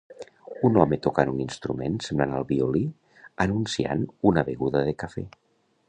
Un home tocant un instrument semblant al violí anunciant una beguda de cafè.